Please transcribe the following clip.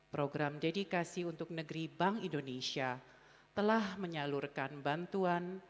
program dedikasi untuk negeri bank indonesia telah menyalurkan bantuan